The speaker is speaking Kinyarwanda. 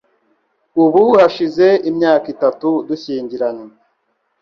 Ubu hashize imyaka itatu dushyingiranywe.